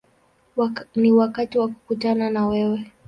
Ni wakati wa kukutana na wewe”.